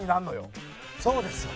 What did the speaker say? そうですよ。